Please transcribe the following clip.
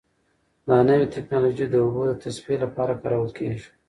دا نوې ټیکنالوژي د اوبو د تصفیې لپاره کارول کیږي.